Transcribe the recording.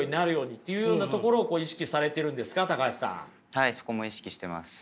はいそこも意識してます。